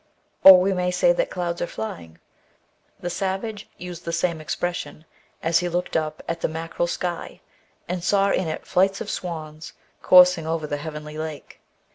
Or we say that the clouds are flying : the savage used the same expression, as he looked up at the mackerel sky, and saw in it flights of swans coursing over the heavenly lake.